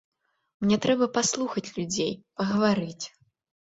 Мне трэба паслухаць людзей, пагаварыць.